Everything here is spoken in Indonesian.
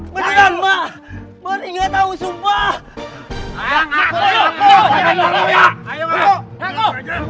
beneran mak mereka tau